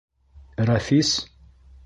— Рәфис...